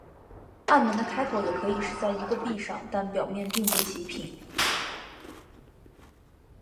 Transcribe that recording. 暗门的开口也可以是在一个壁上但表面并不齐平。